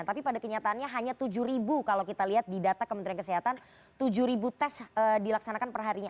tapi pada kenyataannya hanya tujuh ribu kalau kita lihat di data kementerian kesehatan tujuh tes dilaksanakan perharinya